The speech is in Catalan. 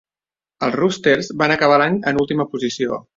Els Roosters van acabar l'any en última posició.